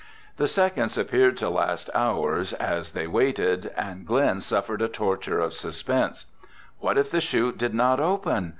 The seconds appeared to last hours as they waited, and Glen suffered a torture of suspense. What if the chute did not open?